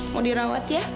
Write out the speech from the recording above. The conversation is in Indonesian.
mau dirawat ya